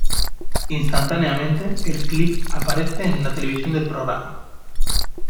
Instantáneamente, el clip aparece en la televisión del programa.